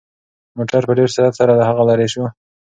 موټر په ډېر سرعت سره له هغه لرې شو.